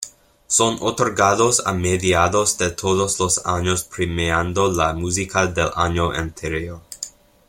Son otorgados a mediados de todos los años premiando la música del año anterior.